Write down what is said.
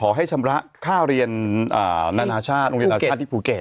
ขอให้ชำระค่าเรียนนานาชาติที่ภูเก็ต